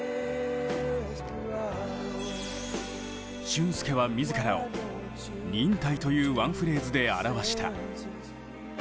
俊輔は自らを「忍耐」というワンフレーズで表した。